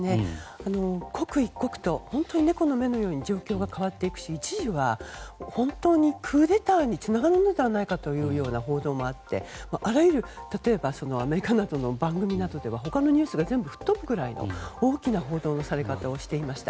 刻一刻と、猫の目のように状況が変わっていくし一時は本当にクーデターにつながるのではないかという報道もあって、例えばアメリカなどの番組などでは他のニュースが全部吹っ飛ぶくらいの大きな報道のされ方をしていました。